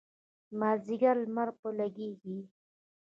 د مازدیګر لمر پرې لګیږي.